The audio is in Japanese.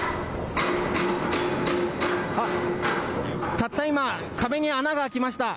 たった今、壁に穴が開きました。